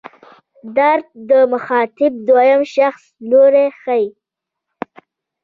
در د مخاطب دویم شخص لوری ښيي.